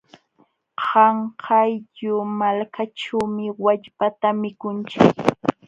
Qanqayllu malkaćhuumi wallpata mikunchik.